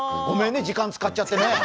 ごめんね時間使っちゃって。